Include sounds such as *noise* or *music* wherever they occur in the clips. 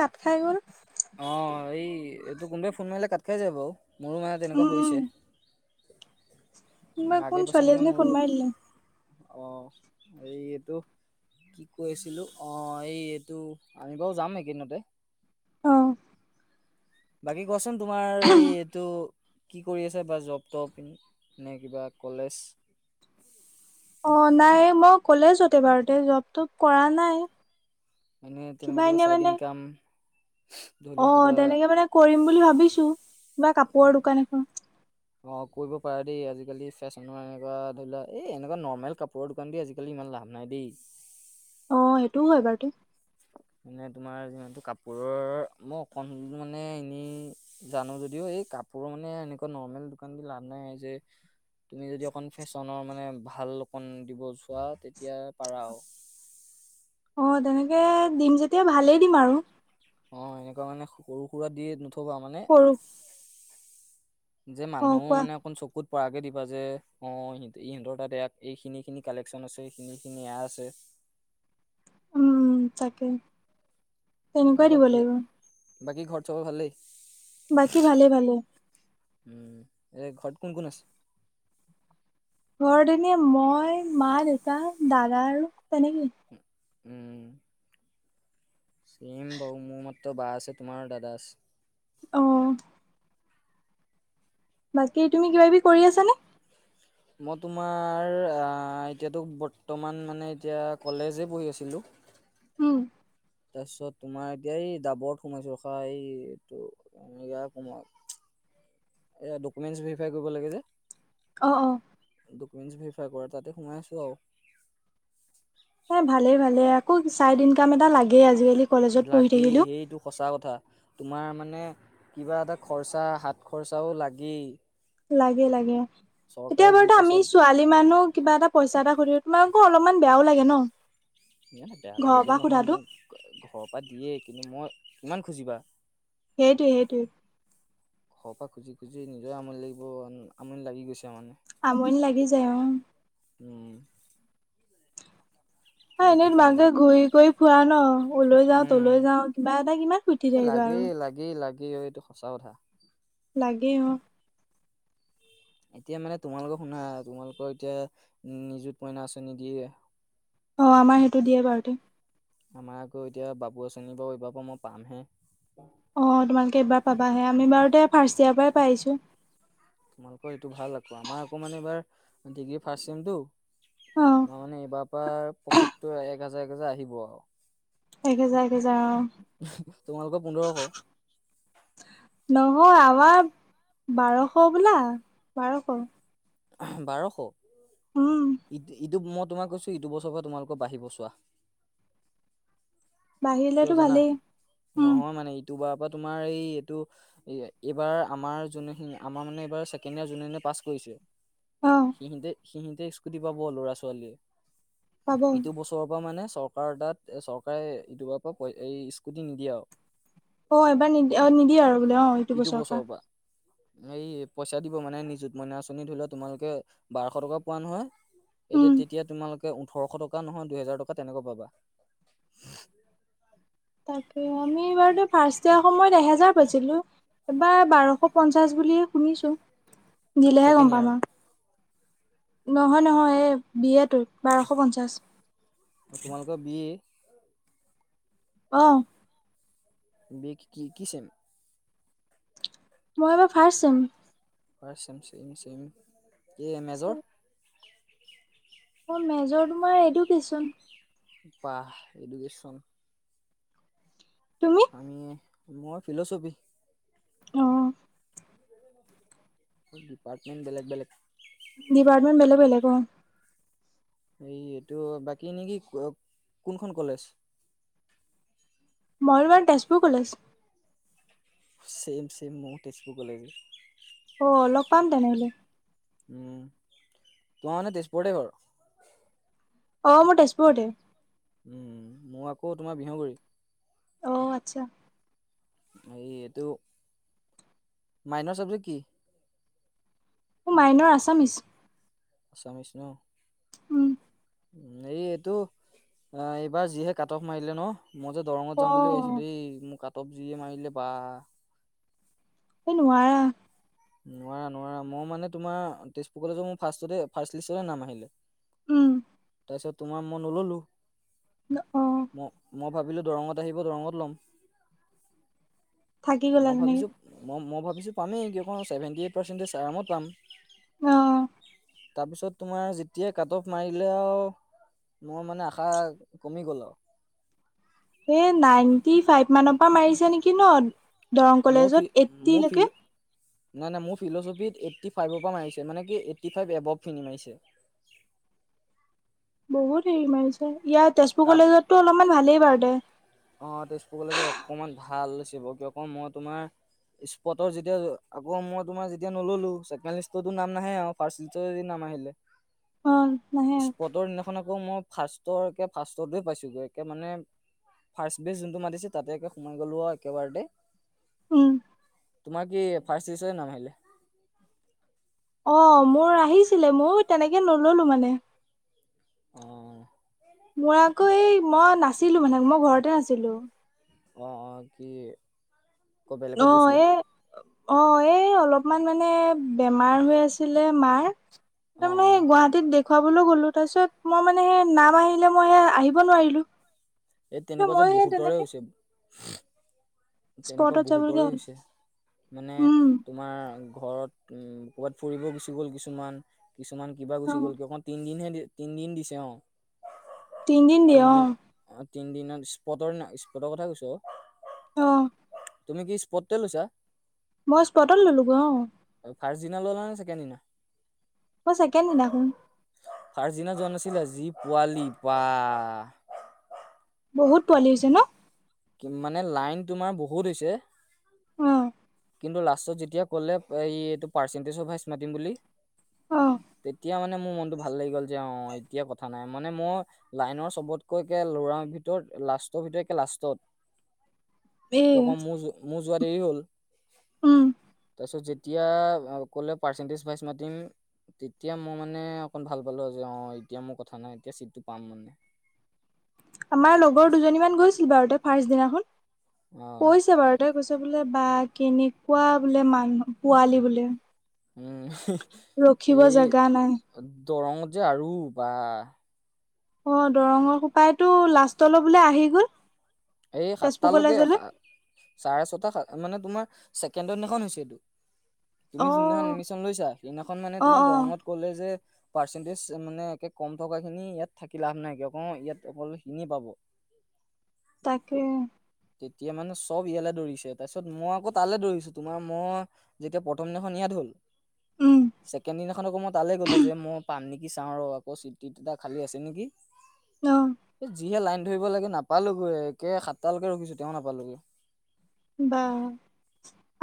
কাত খাই গ'ল। অ এই এইটো কোনোবাই ফোন মাৰিলে কাত খাই যায় বাৰু মোৰো মানে উম তেনেকোৱা উম হৈছে উম, কোনোবা কোন ছোৱালী এজনী ফোন মাৰি দিলে অঁ এইটো কি কৈছিলো অ এই এইটো আমি বাৰু যাম এইকেইদিনতে অ বাকী কচোন তোমাৰ এই এইটো কি কৰি আছে বা জব তটপ নে কিবা কলেজ অ নাই মই ক'লেজতে বাৰু জব তব কৰা নাই মানে তেনেকোৱা কিবা এনে চাইড মানে ইনকাম ধৰি লোৱা অ কিবা তেনেকে মানে কৰিম বুলি ভাবিছো কিবা কাপোৰৰ দোকান এখন অ কৰিব পাৰা দেই আজিকালি ফেশ্বনৰ এনেকোৱা ধৰি লোৱা এই এনেকোৱা নৰ্মেল কাপোৰৰ দোকান দি আজিকালি ইমান লাগ ভবা নাই দেই। অ সেইটোও হয় বাৰু তে মানে তোমাৰ যিমানটো কাপোৰৰ মই অকণ মানে এনে জানো যদিও এই কাপোৰ মানে এনেকোৱা নৰ্মেল দোকান দি লাভ নাই যে তুমি যদি অকন ফেশ্বনৰ মানে ভাল অকণ দিব চোৱা তেতিয়া পাৰা আৰু অ তেনেকে দিম যেতিয়া ভালেই দিম আৰু অ এনেকোৱা মানে সৰু সুৰা দিয়ে নথবা মানে সৰু যে অ মানুহ কোৱা মানে অকণ চকুত পৰা আগে দিবা যে অ ইহঁতৰ তাতয় এইখিনি খিনি কালেক্যন আছে এইখিনি খিনি এয়া আছে *unintelligible* উম তাকে তেনেকোৱাই দিব বাকী লাগিব বাকী ঘৰ চব ভালেই বাকী ভালে ভালে উম এনেই ঘৰত কোন কোন আছে ঘৰত এনেই মই মা দেউতা দাদা আৰু তেনেকেই উম চেম বাও মোৰ মাত্ৰ বা আছে তোমাৰ দাদা আছে অহ বাকী তুমি কিবা কিবি কৰি আছানে মই তোমাৰ এতিয়াতো বৰ্তমান মানে এতিয়া কলেজেই পঢ়ি আছিলোঁ হুম তাৰপিছত তোমাৰ এতিয়া এই ডাবত সোমাইছো ৰখা এইটো এনে কোমাই এ ডকুমেন্ট ভেৰিফাই কৰিব লাগে যে অহ অহ ডকমেন্ত ভিৰেফাইট কৰা তাতে সোমাই আছো আৰু এ ভালে ভালে আকৌ চাইড ইনকাম এটা লাগে আজিকালি কলেজত পঢ়ি লাগেই থাকিলেও সেইটো সঁচা কথা তোমাৰ মানে কিবা এটা খৰচা হাত খৰচাও লাগেই লাগে লাগে চৰকাৰে তেতিয়া যি বাৰুতো পইচা আমি ছোৱালী মানুহ কিবা এটা পইচা এটা ভৰি তোমাক আকৌ অলপমান বেয়াও লাগে ন বেয়া ঘৰৰ লাগে বুলি পৰা নহয় সোধাটো মোক ঘৰৰ পৰা দিয়ে কিন্তু মই কিমান খুজিবা সেইটোৱ সেইটোৱে ঘৰৰ পৰা খুজি খুজি নিজৰ আমনি লাগিব আমনি লাগি গৈছে মানে আমনি লাগি যায় অহ উম অ সেইটো এনেই কাৰণে তোমাকে ঘূৰি কৰি ফুৰা ন অলৈ যাওঁ তলৈ যাওঁ কিবা এটা কিমান ফূতি থাকিবা এই আৰু লাগি লাগি অহ এইটো সঁচা কথা লাগে অহ এতিয়া মানে তোমালোকক শুনা তোমালোকৰ এতিয়া নিযুত মইনা আঁচনি দিয়ে অহ আমাৰ সেইটো দিয়ে বাৰুতে আমাৰ আকৌ এতিয়া বাবু আঁচনি বাৰু এইবাৰ পৰা মই পামহে অঁহ তোমালোকে এইবাৰ পাবাহে আমি বাৰুতে ফাৰ্ষ্ট ইয়াৰৰ পৰাই পাই আহিছোঁ। তোমালোকৰ এইটো ভাল আকৌ আমাৰ আকৌ মানে এইবাৰ ডিগ্ৰী ফাষ্ট অ চেমতটো আমাৰ মানে এইবাৰ পৰা পকেটতটো এক হাজাৰ এক হাজাৰ আহিব আৰু এক হেজাৰ এক হেজাৰ অ তোমালোকৰ পোন্ধৰশ নহয় আমাৰ বাৰশ বোলা বাৰশ বাৰশ উম ই ই তো ম তোমাক কৈছো ইটো বছৰ পৰা তোমালোকৰ বাঢ়িব চোৱা বাঢ়িলেটো ভালেই উম তোৰ বা তোমাৰ এই এইটো এইবাৰ আমাৰ যোনে আমাৰ মানে এইবাৰ ছেকেণ্ড ইয়াৰ যোনে পাছ কৰিছে অ সিহঁতে সিহঁতে স্কুটি পাব লৰা ছোৱালীয়ে পাব ইটো বছৰৰ পৰা মানে চৰকাৰ চৰকাৰ তাত চৰকাৰে ইতোবাৰ পৰাই এই স্কুটি নিদিয়ে আৰু অহ এইবাৰ নিদি পই- অহ নিদিয়ে আৰু বোলে অহ এইটো বছৰৰ পৰা এই পইচা দিব মানে নিযুত মইনা আঁচনি ধৰি লও তোমালোকে বাৰশ টকা পোৱা নহয় এতিয়া উম তেতিয়া তোমালোকে ওঠৰশ টকা নহয় দুইহেজাৰ টকা তেনেকুৱা পাবা তাকে আমি বাৰু ফাৰ্ষ্ট আকৌএহেজাৰ পাইছিলো এইবাৰ বাৰশ পঞ্চাশ বুলি শুনিছো দিলেহে গম ছেকেণ্ড পাম ইয়াৰত আৰু নহয় নহয় এই দিয়টো বাৰশ পঞ্চাছ অহ তোমালোকৰ বি এ অহ বি এছ কি ছেম মই এইবাৰ ফাৰ্ষ্ট চেম হয় চেম চেমি চেমি এই মেজৰ মোৰ মেজৰ তোমাৰ এডুকেশ্বন বাহ এডুকেশ্বন তুমি আমি মই ফিলচফি অ ডিপাৰ্টমেণ্ট বেলেগ বেলেগ ডিপাৰ্টমেণ্ট বেলেগ বেলেগ অ এই এইটো বাকী নেকি ক কোনখন কলেজ মই তোমাৰ তেজপুৰ কলেজ চেম চেম মও তেজপুৰ কলেজে অ লগ পাম তেনেহলে উম তোমাৰ মানে তেজপুৰতে ঘৰ অ মোৰ তেজপুৰতে উম মোৰ আকৌ তোমাৰ বিহগুৰি অ' আতচ্ছা এই এইটো মাইনৰ চাবজেক্ট কি মো মাইনৰ আছামিছ আছামিছ ন উম এই এইটো অ এইবাৰ যিহে কাট অফ মাৰিলে ন মই যে দৰঙত অ যাম বুলি ভাবিছিলো এই মোক কাট অফ যিয়ে মাৰিলে বা এই নোৱাৰা নোৱাৰা নোৱাৰা মই মানে তোমাৰ তেজপুৰ কলেজত মোৰ ফাৰ্ষ্টতে ফাৰ্ষ্ট লিষ্টতে নাম আহিলে উম তাৰপিছত তোমাৰ মই নল'লো। অ ম মই ভাবিলো দৰঙত আহিব দৰঙত লম। থাকি গ'লা মই তেনেকে ভাবিছোঁ মই মই ভাবিছোঁ পামেই কি অক ছেভেণ্টি এইট পাৰ্চেণ্টিজ আৰামত পাম অহ তাপিছত তোমাৰ যেতিয়াই কাট অফ মাৰিলে আৱ মোৰ মানে আশা কমি গ'ল আৱ এ নাইনটি ফাইভ মানৰ পৰা মাৰিছে নেকি ন দৰং মোৰ ফি কলেজত মোৰ ফিল এইটিলৈকে নাই নাই মোৰ ফিলচফিত এইট্টি ফাইভৰ পৰা মাৰিছে মানে কি এইট্টি ফাইভ এবভ খিনি মাৰিছে *inaudible* বহুত হেৰি মাৰিছে ইয়াৰ তেজপুৰ তাত কলেজতটো অলপমান ভালেই বাৰু দে অ তেজপুৰ কলেজত অকমান ভাল চ ব ক অক মই তোমাৰ স্পটৰ যেতিয়া আকৌ মই তোমাৰ যেতিয়া নললো ছেকেণ্ড লিষ্টতটো নাম নাহে আৱ ফাৰ্ষ্ট লিষ্টৰ যদি নাম মাৰিলে অ নাহে আৰু আকৌ মোৰ ফাৰ্ষ্টৰকে ফাৰ্ষ্টতে পাইছোঁ গৈ একে মানে ফাৰ্ষ্ট বেজ যোনটো মাতিছে তাতে একে সোমাই গ'লো আৰু একেবাৰটে উম তোমাৰ কি ফাৰ্ষ্ট লিষ্টতে নাম আহিলে। অ মোৰ আহিছিলে মও তেনেকে নললো মানে অহ মোৰ আকৌ এই মই নাছিলোঁ মানে মই ঘৰতে নাছিলোঁ অঁ অঁ কি ক বেলেগত অঁ গৈছিলা এ অঁ এ অলপ অকমান মানে বেমাৰ হৈ আছিলে মাৰ অ তাৰমানে অ গুৱাহাটীত দেখুৱাবলৈ গ'লো তাৰপিছত মই মানে সেই নাম আহিলে মই সে আহিব নোৱাৰিলোঁ এই তেনেকুৱা যে বহুতৰে হৈছে তেনেকুৱা স্পটত বহুতৰে যাবলগীয়া হ'ল হৈছে মানে উম তোমাৰ ঘৰত উম ক'ৰবাত ফুৰিব গুচি গ'ল কিছুমান কিছুমান কিবা অ গুচি গ'ল কি অকণ তিনদিন হে তিনিদিন দিছে অ তিন দিন দিয়ে অহ তিনদিন অ তিনদিনত স্পটৰ ন স্পটৰ কথা কৈছো আহ তুমি কি স্পদে লৈছা মই সস্পটল ললো অ ফাৰ্ষ্ট দিনা ল'লা নে ছেকেণ্ড দিনা মই চেকেণ্ড দিনা খন ফাৰ্ষ্ট দিনা যোৱা নাছিলি যি পোৱালি পা বহুত পোৱালি হৈছে ন কি মানে লাইন তোমাৰ বহুত হৈছে উম কিন্তু লাষ্টত যেতিয়া ক'লে এই এইটো পাৰ্চেন্টেজ অ মাতিম বুলি অ তেতিয়া মানে মে মোৰ মনতটো ভাল লাগি গ'ল যে অ এতিয়া কথা নাই মানে মই লাইনৰ চবতকৈ কে ল'ৰাৰ ভিতৰত লাষ্টৰ ভিতৰতে লাষ্টত এ কিয়ক মোৰ মোৰ যোৱাত দেৰি হ'ল উম তাৰ পছত যেতিয়া কলে পাৰ্চনটেজ ভাইজ মাতিম তেতিয়া মই মানে অকন ভাল পালো আ অ এতিয়া মোৰ কথা নাই এতিয়া চিটটো পাম মানে। আমাৰ লগৰ দুজনী মান গৈছিল বাৰুতা ফাৰ্ষট দিনাখন অ কৈছে বাৰু তাই কৈছে বোলে। বা কেনেকুৱা বোলে মানুহ পোৱালি বোলে। উম ৰখিব এই। জেগা নাই দৰঙত যে আৰু বা। অ দৰঙৰ সোপায়তো লাষ্টলৈ বোলে আহি গল। এই তেজপুৰ সাতটালৈকে কলেজলৈ চাৰে ছটা মানে তোমাৰ। ছেকেণ্ডৰ দিনাখন হৈছে এইটো। তুমি অ যোনদিনাখন এডমিশন লৈছা সেইদিনাখন মানে অ তোমাৰ অ দৰঙত কলে যে। পাৰ্চেন্টিজ মানে একে কম টকা খিনি ইয়াত থাকি লাভ নাই অক ইয়াত অকল কিনি পাব। *unintelligible* তাকে। তেতিয়া মানে চব ইয়ালৈ দৌৰিছে তাৰপিছত মই আকৌ তালৈ দৌৰিছো তোমাৰ মই যেতিয়া প্ৰথম দিনাখন ইয়াত হল। উম ছেকেণ্ড দিনাখন আকৌ মই তালৈ গ'লো যে মই পাম নেক। কি চাওঁ ৰ আকৌ চিটটা খালি আছে নেকি অ যিহে লাইন। ধৰিব লাগে নাপালোগৈ একে সাতটালৈকে ৰখিছো তেতিয়াও নাপালোগৈ। বা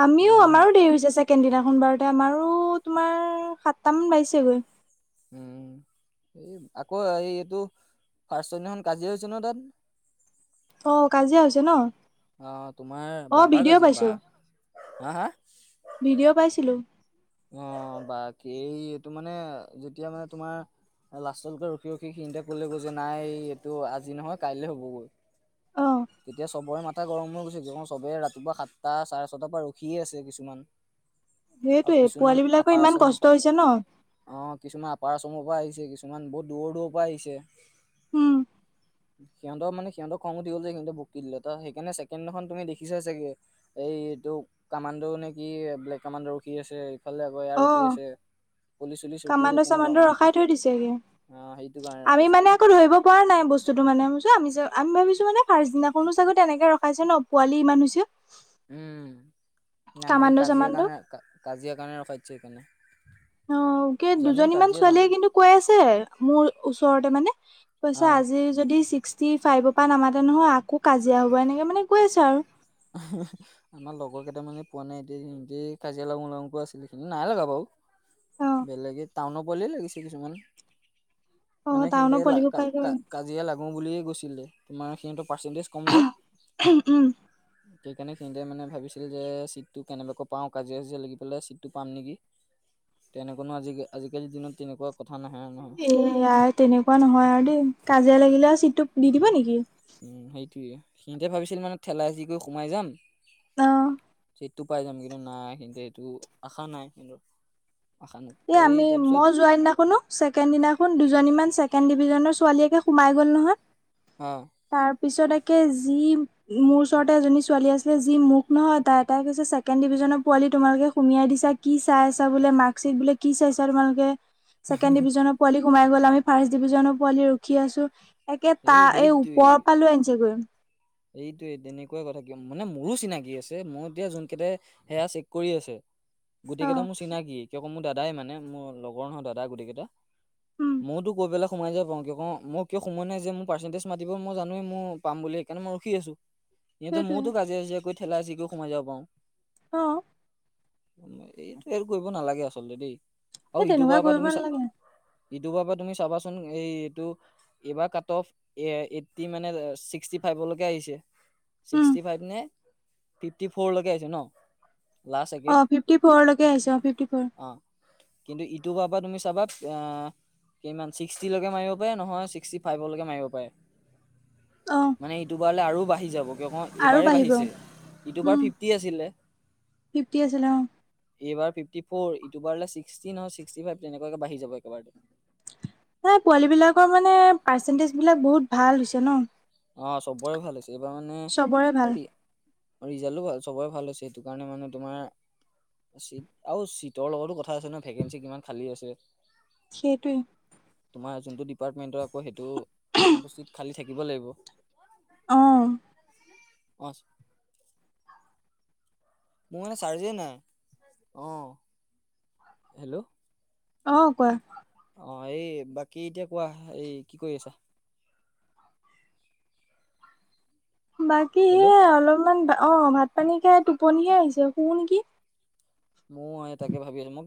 আমিও সেইদিনাখন আমাৰো দেৰি হৈছে ছেকেণ্ড দিনাখন বাৰু। আমাৰো তোমাৰ সাতটামান বাগিছেগৈ। উম। এই আকৌ এই এইটো ফাৰ্ষ্ট দিনাখন কাজিয়া হৈছে নহয় তাত। অ কাজিয়া হৈছে ন। আ তোমাৰ অ বাম্পাৰ ভিডিঅ' কাজিয়া বা পাইছো হা হা। ভিডিঅ' পাইছিলো অ বাকী এই এইটো মানে যেতিয়া মানে তোমাৰ। লাষ্টতকে ৰখি ৰখি সিহতে ক'লে গৈ যে নাই এইটো আজি নহয় কাইলে হ'বগৈ। অ তেতিয়া চবৰে মাথা গৰম হৈ গৈছে চবেই ৰাতিপুৱা সাতটা চাৰে ছটাৰ পৰা ৰখিয়ে আছে কিছুমান। আৰু সেইটোয়ে কিছুমান পোৱালী বিলাকৰ ইমান আপাৰচ কষ্ট হৈছে ন অ কিছুমান আপাৰ। মৰ পৰা আহিছে কিছুমান বহু দূৰ দূৰৰ পৰা আহিছে। উম। সিহঁত মানে সিহঁৰ খং উঠ গ'ল যে সিহঁত। পকি দিলেতা সেইকাৰনে ছেকেণ্ড দিনাখন তুমি দেখিছা ছাগে সেই এতো কামাণ্ড নে কি বিলেক। কামাণ্ডৰ ৰখি আছে ইফালে আকৌ ইয়া অ ৰখি আছে। পুলিচ চুলিচ ৰখি কামাণ্ড আছে তেনেকুৱা চামাণ্ড মানে ৰখাই থৈ দিছেগে। অ সেইটো কাৰণে আমি ৰখাইছে মানে আকৌ ধৰিব পৰা নাই বস্তুতটো মানে আমি যে আমি ভাবিছো মানে ফাৰ্চদিনাখনো চাগে তেনেকে ৰখাইছে ন পোৱালি ইমান হৈছে উম না নাই কামাণ্ড কাজিয়া চামাণ্ড কাৰণে কাজিয়া কাৰণে ৰখাইছে সেইকাৰণে অ কেই জানেই দুজনীমান কাজিয়া ডাঙৰ ছোৱালীয়ে কিন্তু কৈ আছে মোৰ ওচৰতে মানে অ কৈছা। আজি যদি ছিক্সটি ফাইভৰ পৰা নামাতে নহয় আকৌ কাজিয়া হ'ব এনেকে মানে গৈ আছে আৰু আমাৰ লগৰ কেইটা মানে পোৱা নাই এতি কাজিয়া লাগুংলাগুং কৈ আছিলে সেইটি নাই লগা বাৰু অ বেলেগে টাউনৰ পোৱালিয়ে লাগিছে কিছুমান অ মানে টাউনৰ সিহঁতে পোৱালিবোৰ কা পাই গৈ কা কাজিয়া লাগো বুলিয়ে গৈছিলে তোমাৰ সিহঁতৰ কিন্তু পাৰ্চেণ্টিজ কম যে উম সেইকাৰণে সিনিতে মানে ভাবিছিল যে চিটটো কেনেবাকৈ পাওঁ কাজিয়া কাজিয়া লাগি পেলাই চিটটো পাম নেকি তেনেকুৱানো আজি আজিকালিৰ দিনত তেনেকুৱা। কথা নাহে নহয়। এ ইাৰ তেনেকুৱা নহয় আৰু দেই কাজিয়া লাগিলে আৰু চিটটো দি দিবা নেকি। সিহতে ভাবিছিল মানে ঠেলাই চি কৰি সোমাই যাম। অ টো পাই যাম কিন্তু নাই কিন্তু সেইটো আশা নাই কিন্তু। এ আমি মই যোৱা দিনাখনো ছেকেণ্ড দিনা দুজনী ছেকেণ্ড ডিভিজনৰ ছোৱালী। য়ে সোমাই গ'ল নহয় অ তাৰ পিছতে। কে যি মোৰ ওচৰতে এজনী ছোৱালী আছিলে যি মোক নহয় তাই তাই কৈছে ছেকেণ্ড ডিভিজনৰ পোৱালি। তোমালোকে সুমিয়াই দিছা কি চাই আছা বোলে মাক। বোলে কি চাইছা তোমালোকে, ছেকেণ্ড ডিভিজনৰ পোৱালি সোমাই গল। আমি ফাৰ্ষ্ট ডিভিজনৰ পোৱালি ৰখি আছো, একে তাৰ এই ওপৰৰ পা লৈ আনিছেগৈ এইটোৱে তেনেকুৱা কথা কিয়, মানে মোৰো চিনাকি আছে মই এতিয়া যোন কেটাই সেয়া চেক কৰি আছে। গোটেই অ কেইটা মোৰ চিনাকি কিয় ক মোৰ দাদাই মানে মোৰ লগৰ নহয় দাদা গোটেই কেইটা। উম ময়তো কৈ পেলা সোমাই যা পাওঁ কিয় ক মই কিয় সোমাই নাই যে মোৰ পাৰ্চেন্টেজ মাতি মই জানোৱেই মই পাম বুলি সেইকাৰনে মই ৰখি আছো। সিহঁতে সেইটোৱে মোওতো কাজিয়া চাজিয়া কৰি ঠেলা হেচি কৰি সোমাই যাব পাও। অ'। এইটো হেল্প কৰিব নালাগে আচলতে দেই আৰু সেই ইটো তেনেকুৱা বাৰৰ পৰা কৰিব তুমি চা নালাগে ইটো বাৰৰ পৰা তুমি চাবাচোন এই এইটো এইবাৰ কাট অফ এ - এইটটি মানে চিক্সটি ফাইভলৈকে আহিছে উম ছিক্সটি ফাইভ নে ফিফটি ফ'ৰলৈকে আহিছে ন? লাষ্ট একে অ ফিফটি ফ'ৰলৈকে আহিছো অ ফিফটি ফ'ৰ। অ' কিন্তু ইটো বাৰৰ পৰা তুমি চাবা আ কিমান ছিক্সটিলৈকে মাৰিব পাৰে নহয় ছিক্সটি ফাইভলৈকে মাৰিব পাৰে। অ'। মানে ইটোবাৰলে আৰু বাঢ়ি যাব। আৰু এইবাৰে বাঢ়িব বাঢ়িছে ইটোবাৰ উম ফিফটি আছিলে। ফিফটি আছিলে অ এইবাৰ ফিফটি ফৰ ইটোবাৰলে চি ছিক্সটি নহয় ছিক্সটি ফাইভ তেনেকুৱাকে বাঢ়ি যাব একেবাৰে। এই পোৱালী বিলাকৰ মানে পাৰ্চেন্টেজ বিলাক বহুত ভাল হৈছে ন। অ চবৰে ভাল হৈছে এইবাৰ চবৰে ভাল মানে ৰিজাল্টো ভাল সবৰে ভাল হৈছে সেইটো কাৰণে মানে তোমাৰ চিট আৰু চিটৰ লগতো কথা আছে ন ভেকেঞ্চি কিমান খালী আছে। সেইটোৱে তোমাৰ যোনটো ডিপাৰ্টমেন্টৰ আকৌ সেইটো সিমানটো চিট খালী থাকিব লাগিব অ'। *unintelligible* মোৰ মানে চাৰ্জেই নাই অ' হেল্ল'। অ' কোৱা। অ' এই বাকী এতিয়া কোৱা এই কি কৰি আছা? বাকী হেল্ল' সেয়া অলপমান অ ভাত পানী খাই টোপনিয়ে আহিছে শুও নেকি! মোৰ এই তাকে ভাবি আছো মই